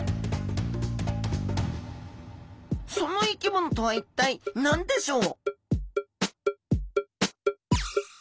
その生き物とは一体何でしょう？